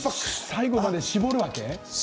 最後まで搾るわけ？